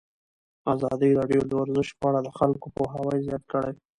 ازادي راډیو د ورزش په اړه د خلکو پوهاوی زیات کړی.